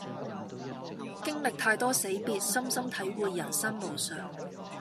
經歷太多死別深深體會人生無常